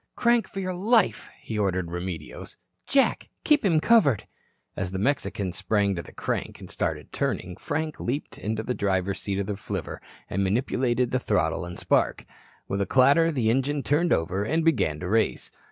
"Crank for your life," he ordered Remedios. "Jack, keep him covered." As the Mexican sprang to the crank, and started turning, Frank leaped to the driver's seat of the flivver and manipulated throttle and spark. With a clatter the engine turned over and began to race.